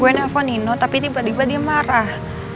gue nelfon nino tapi tiba tiba dia marah